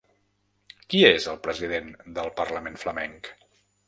Qui és el president del parlament flamenc?